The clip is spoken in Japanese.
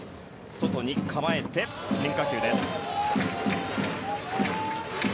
外に構えて変化球です。